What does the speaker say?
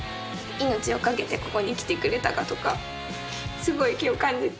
命を懸けてここに来てくれたかとかすごい今日感じて。